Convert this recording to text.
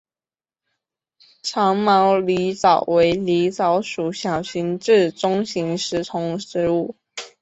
长毛狸藻为狸藻属小型至中型食虫植物。